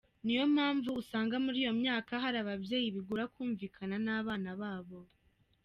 Niyo mpamvu usanga muri iyo myaka hari ababyeyi bigora kumvikana n’abana babo.